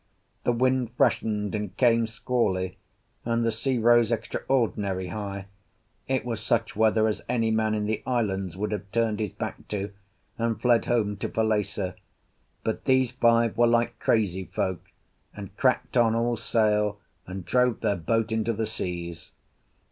The wind freshened and came squally, and the sea rose extraordinary high; it was such weather as any man in the islands would have turned his back to and fled home to Falesá; but these five were like crazy folk, and cracked on all sail and drove their boat into the seas.